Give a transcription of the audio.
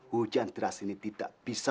hujan deras ini tidak bisa